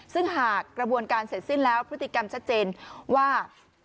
ซึ่งหากกระบวนการเสร็จสิ้นแล้วพฤติกรรมชัดเจนว่า